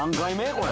これ。